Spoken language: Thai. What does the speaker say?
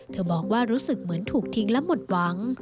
บอกว่ารู้สึกเหมือนถูกทิ้งและหมดหวัง